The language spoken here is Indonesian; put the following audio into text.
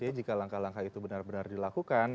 jadi kalau langkah langkah itu benar benar dilakukan